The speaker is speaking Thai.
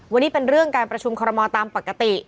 วันนี้เป็นเรื่องการประชุมคอรมอลตามปกติ